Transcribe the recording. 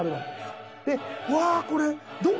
で「うわー！これどこの？」